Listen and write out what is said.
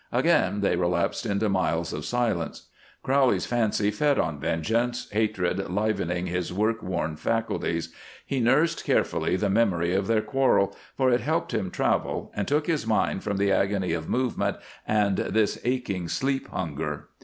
Again they relapsed into miles of silence. Crowley's fancy fed on vengeance, hatred livening his work worn faculties. He nursed carefully the memory of their quarrel, for it helped him travel and took his mind from the agony of movement and this aching sleep hunger.